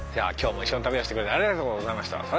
今日も一緒に旅をしてくれてありがとうございました。